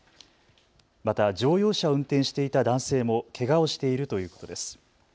また乗用車を運転していた男性もけがをしているということです。